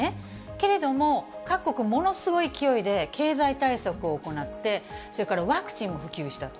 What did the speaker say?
けれども、各国ものすごい勢いで経済対策を行って、それからワクチンを普及したと。